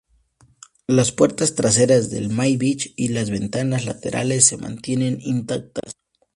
Las puertas traseras del Maybach y las ventanas laterales se mantienen intactas.